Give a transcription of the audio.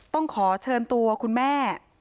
ต้องขอเชิญตัวคุณแม่